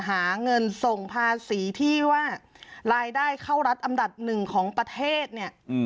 หาเงินส่งภาษีที่ว่ารายได้เข้ารัฐอันดับหนึ่งของประเทศเนี่ย